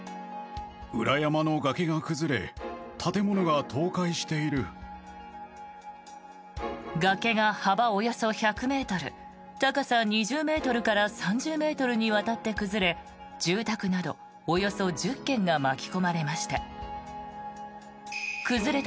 崖が、幅およそ１００ｍ高さ２０ｍから３０ｍにわたって崩れ住宅などおよそ１０軒が巻き込まれました。